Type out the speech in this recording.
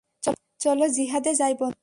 চলো জিহাদে যাই বন্ধুরা।